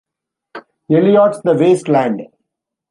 Eliot's "The Waste Land".